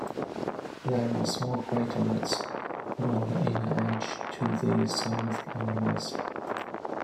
There are small craterlets along the inner edge to the south and west.